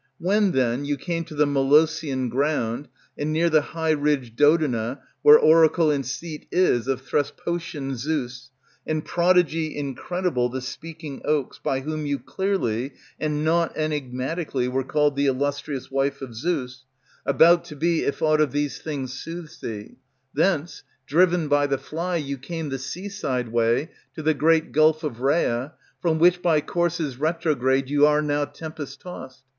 When, then, you came to the Molossian ground, And near the high ridged Dodona, where Oracle and seat is of Thesprotian Zeus, And prodigy incredible, the speaking oaks, By whom you clearly, and naught enigmatically, Were called the illustrious wife of Zeus About to be, if aught of these things soothes thee; Thence, driven by the fly, you came The seaside way to the great gulf of Rhea, From which by courses retrograde you are now tempest tossed.